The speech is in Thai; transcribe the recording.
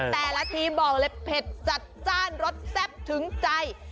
แต่ละทีบอกเลยเผ็ดจัดจ้านรสแซ่บถึงใจ